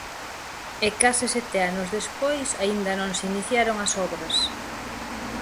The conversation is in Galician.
E case sete anos despois aínda non se iniciaron as obras.